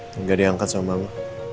tidak diangkat sama mama